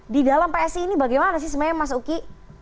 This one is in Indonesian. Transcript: di dalam psi ini bagaimana sih sebenarnya mas uki